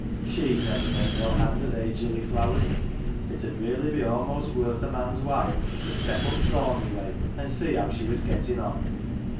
She'd never make no hand of they gilly Fers; it 'ud really be almost worth a man's while to step up Thorn leigh way and see how she was gettin 1 on.